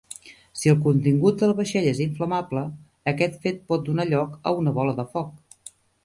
Si el contingut del vaixell és inflamable, aquest fet pot donar lloc a una "bola de foc".